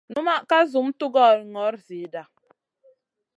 Unma ka zum tugora gnor zida.